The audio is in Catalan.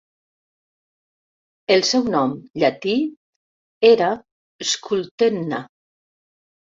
El seu nom llatí era "Scultenna".